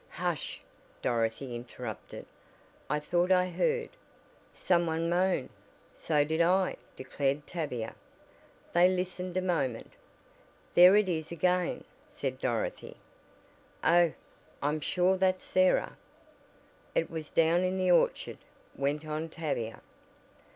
"Hush!" Dorothy interrupted, "I thought I heard " "Some one moan? So did I," declared Tavia. They listened a moment. "There it is again," said Dorothy. "Oh, I'm sure that's Sarah!" "It was down in the orchard," went on Tavia.